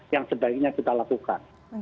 yang sebaiknya kita lakukan